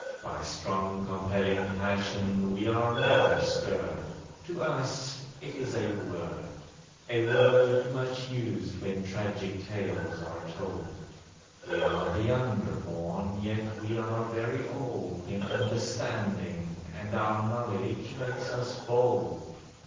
By strong compelling passion we are never stirred; To us it is a word— A word much used when tragic tales are told; We are the younger born, yet we are very old In understanding, and our knowledge makes us bold.